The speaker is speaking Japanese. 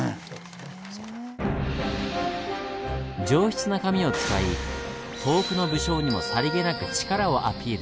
上質な紙を使い遠くの武将にもさりげなく力をアピール。